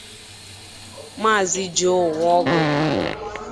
maazị Joe Nworgu